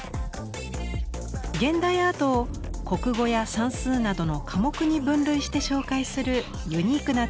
現代アートを国語や算数などの科目に分類して紹介するユニークな展覧会が開かれています。